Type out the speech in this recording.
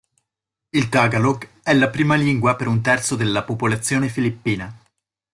Il tagalog è la prima lingua per un terzo della popolazione filippina.